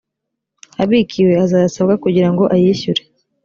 abikiwe azayasabwa kugira ngo ayishyure